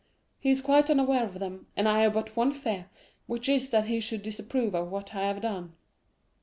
'—'He is quite unaware of them, and I have but one fear, which is that he should disapprove of what I have done.